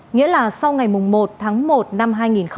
nghĩa là sau ngày một tháng một năm hai nghìn hai mươi